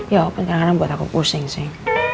ya apa sekarang buat aku pusing sih